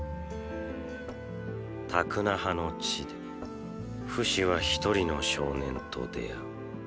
タクナハの地でフシはひとりの少年と出会う。